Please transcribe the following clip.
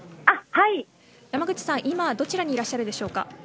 ヤマグチさん、今どちらにいらっしゃるでしょうか。